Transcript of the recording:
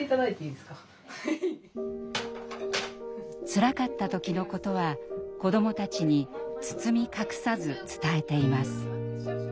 つらかった時のことは子どもたちに包み隠さず伝えています。